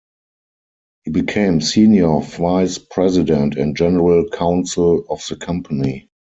He became senior vice president and general counsel of the company.